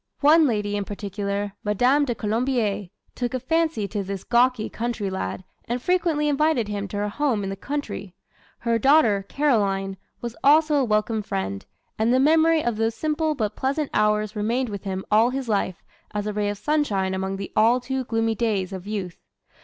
One lady in particular, Madame de Colombier, took a fancy to this gawky country lad and frequently invited him to her home in the country. Her daughter, Caroline, was also a welcome friend, and the memory of those simple but pleasant hours remained with him all his life as a ray of sunshine among the all too gloomy days of youth.